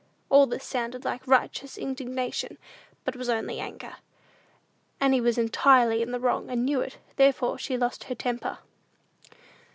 All this sounded like righteous indignation, but was only anger. Annie was entirely in the wrong, and knew it; therefore she lost her temper.